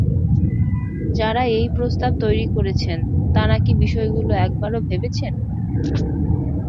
যাঁরা এই প্রস্তাব তৈরি করেছেন তাঁরা কি বিষয়গুলো একবারও ভেবেছেন?